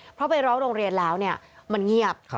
เพราะไปร้องโรงเรียนแล้วมันเงียบ